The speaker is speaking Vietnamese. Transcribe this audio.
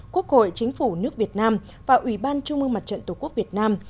quốc hội chính phủ nước việt nam và ủy ban trung mương mặt trận tổ quốc việt nam